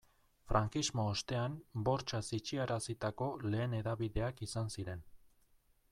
Frankismo ostean bortxaz itxiarazitako lehen hedabideak izan ziren.